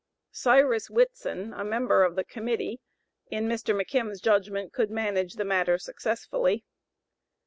Cyrus Whitson, a member of the Committee, in Mr. McKim's judgment, could manage the matter successfully.